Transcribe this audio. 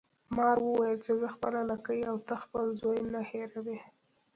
مار وویل چې زه خپله لکۍ او ته خپل زوی نه هیروي.